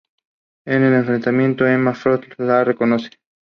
En el enfrentamiento, Emma Frost la reconoce.